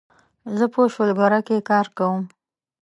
زه په شولګره کې کار کوم